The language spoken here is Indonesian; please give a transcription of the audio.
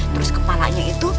terus kepalanya itu